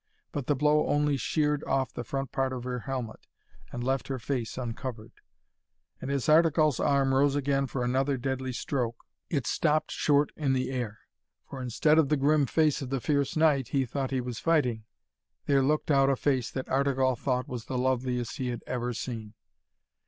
But the blow only sheared off the front part of her helmet, and left her face uncovered. And as Artegall's arm rose again for another deadly stroke, it stopped short in the air. For instead of the grim face of the fierce knight he thought he was fighting, there looked out a face that Artegall thought was the loveliest he had ever seen.